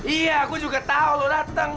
iya aku juga tahu lo datang